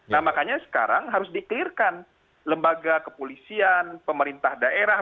nah makanya sekarang harus di clear kan lembaga kepolisian pemerintah daerah